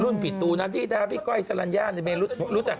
รุ่นผิดตัวนะดีด้าพี่ก้อยสลัญญารุ่นรู้จัก